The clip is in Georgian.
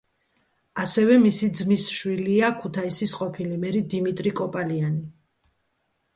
ასევე მისი ძმის შვილია ქუთაისის ყოფილი მერი დიმიტრი კოპალიანი.